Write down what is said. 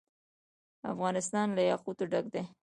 افغانستان له یاقوت ډک دی.